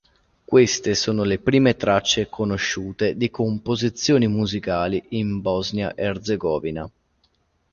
Queste sono le prime tracce conosciute di composizioni musicali in Bosnia Erzegovina.